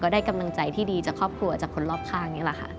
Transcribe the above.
ก็ได้กำลังใจที่ดีจากครอบครัวจากคนรอบข้าง